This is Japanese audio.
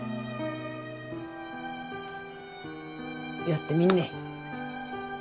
やってみんね。